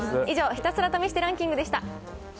以上、ひたすら試してランキングでした。